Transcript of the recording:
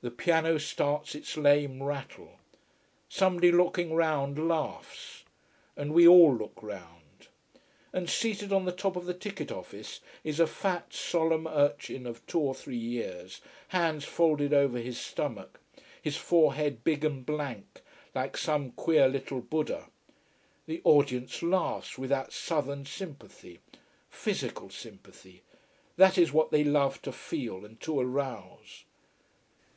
The piano starts its lame rattle. Somebody looking round laughs. And we all look round. And seated on the top of the ticket office is a fat, solemn urchin of two or three years, hands folded over his stomach, his forehead big and blank, like some queer little Buddha. The audience laughs with that southern sympathy: physical sympathy: that is what they love to feel and to arouse.